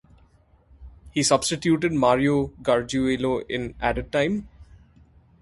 He substituted Mario Gargiulo in added time.